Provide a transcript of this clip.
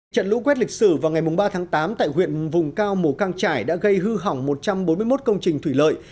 trận lũ quét lịch sử vào ngày ba tháng tám tại huyện vùng cao mù căng trải đã gây hư hỏng một trăm bốn mươi một công trình thủy lợi